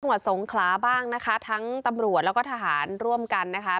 สงขลาบ้างนะคะทั้งตำรวจแล้วก็ทหารร่วมกันนะคะ